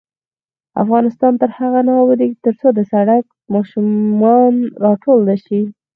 افغانستان تر هغو نه ابادیږي، ترڅو د سړک سر ماشومان راټول نشي.